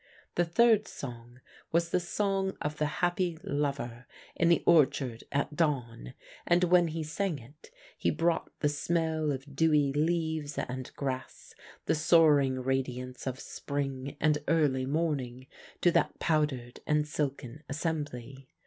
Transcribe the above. The third song was the song of the happy lover in the orchard at dawn. And when he sang it he brought the smell of dewy leaves and grass, the soaring radiance of spring and early morning, to that powdered and silken assembly.